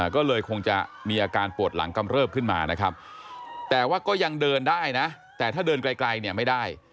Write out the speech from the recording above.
ก็เลยคงจะมีอาการปวดหลังกำเริบขึ้นมานะครับแต่ว่าก็ยังเดินได้นะแต่ถ้าเดินไกลเนี่ยไม่ได้